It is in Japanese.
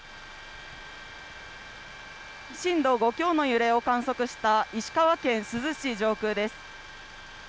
震度５強の揺れを観測した石川県珠洲市上空です。